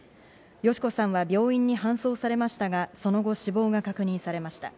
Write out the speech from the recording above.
佳子さんは病院に搬送されましたが、その後、死亡が確認されました。